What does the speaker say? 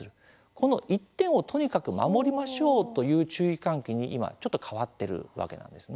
この１点をとにかく守りましょうという注意喚起に、今ちょっと変わってるわけなんですね。